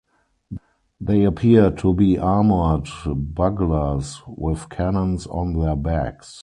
They appear to be armored Buglers with cannons on their backs.